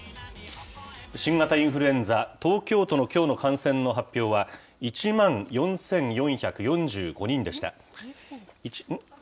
新型インフルエンザ、東京都のきょうの感染の発表は、１万４４４５人でした。